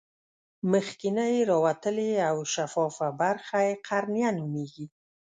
مخکینۍ راوتلې او شفافه برخه یې قرنیه نومیږي.